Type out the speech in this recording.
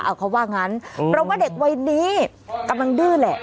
เอาเขาว่างั้นเพราะว่าเด็กวัยนี้กำลังดื้อแหละ